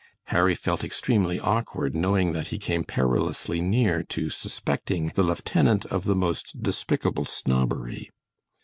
Harry felt extremely awkward knowing that he came perilously near to suspecting the lieutenant of the most despicable snobbery.